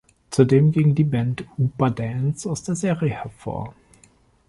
Zudem ging die Band: „Upa Dance“ aus der Serie hervor.